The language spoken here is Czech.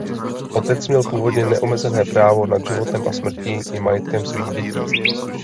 Otec měl původně neomezené právo nad životem a smrtí i majetkem svých dětí.